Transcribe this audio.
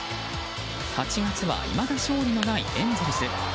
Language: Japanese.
８月はいまだ勝利のないエンゼルス。